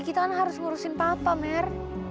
kita kan harus ngurusin papa mer